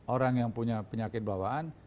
orang yang punya penyakit bawaan